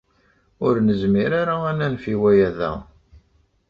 Ur nezmir ara ad nanef i waya da.